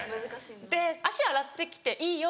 「足洗ってきていいよ」